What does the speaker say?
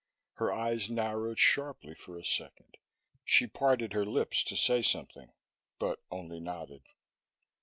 Her eyes narrowed sharply for a second. She parted her lips to say something, but only nodded.